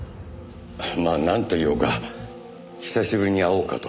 まあなんといおうか久しぶりに会おうかと。